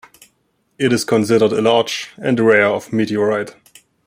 It is considered a large and a rare of meteorite.